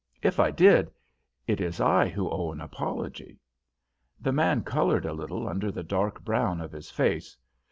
If I did, it is I who owe an apology." The man coloured a little under the dark brown of his face.